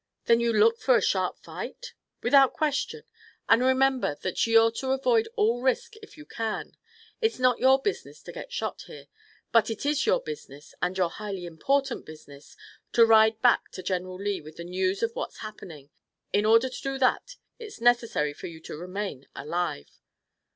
"Then you look for a sharp fight?" "Without question. And remember that you're to avoid all risk if you can. It's not your business to get shot here, but it is your business, and your highly important business, to ride back to General Lee with the news of what's happening. In order to do that it's necessary for you to remain alive."